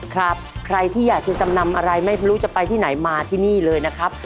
ใครที่อยากจะจำนำอะไรไม่รู้จะไปที่ไหนมาที่นี่เลยนะครับ